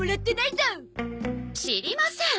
知りません。